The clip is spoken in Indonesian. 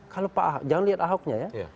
kalau pak ahok jangan lihat ahoknya ya